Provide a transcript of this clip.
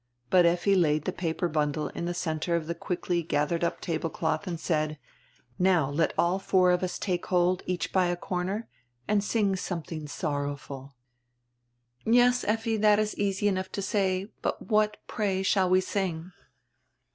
But Effi laid die paper bundle in die centre of die quickly gathered up tablecloth and said: "Now let all four of us take hold, each by a corner, and sing something sorrowful." "Yes, Effi, diat is easy enough to say, but what, pray, shall we sing?"